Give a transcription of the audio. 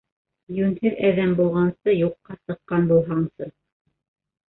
Йүнһеҙ әҙәм булғансы, юҡҡа сыҡҡан булһаңсы!